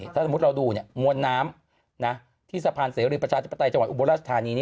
ถ้าสมมติเราดูมวลน้ำที่สะพานเสริฐประชาติปฎัติจังหวัดอุบัติรัฐธานีนี้